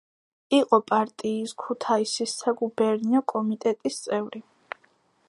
იყო პარტიის ქუთაისის საგუბერნიო კომიტეტის წევრი.